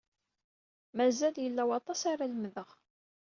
Mazal yella waṭas ara lemdeɣ.